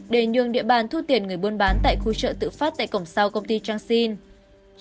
để nhường địa bàn thu tiền người buôn bán tại khu chợ tự phát tại cổng sau công ty jang sinh